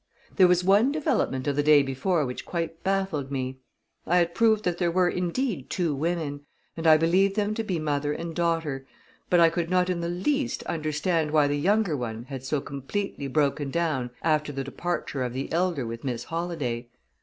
There was one development of the day before which quite baffled me. I had proved that there were, indeed, two women, and I believed them to be mother and daughter, but I could not in the least understand why the younger one had so completely broken down after the departure of the elder with Miss Holladay.